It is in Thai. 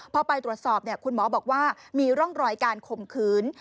พอไปตรวจสอบคุณหมอบอกว่ามีร่องรอยการข่มขืน